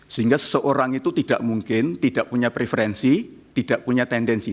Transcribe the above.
sehingga seseorang itu tidak mungkin tidak punya preferensi tidak punya tendensi